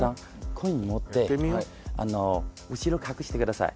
コイン持って後ろ隠してください。